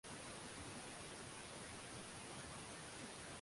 wakati wa uzinduzi meli iligeuka chini